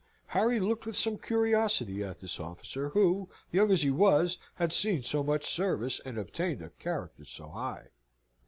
Harry looked with some curiosity at this officer, who, young as he was, had seen so much service, and obtained a character so high.